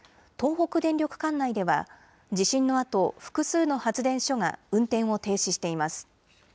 東北電力管内では地震のあと複数の発電所が運転を停止しています。